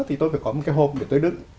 thì tôi phải có một cái hộp để tôi đựng